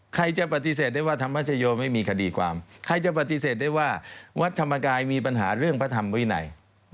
ใครจะปฏิเสธได้ว่าธรรมชโยไม่มีคดีความใครจะปฏิเสธได้ว่าวัดธรรมกายมีปัญหาเรื่องพระธรรมวินัย